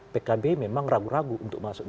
pkb memang ragu ragu untuk masuk